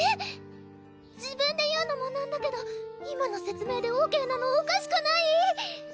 自分で言うのもなんだけど今の説明でＯＫなのおかしくない？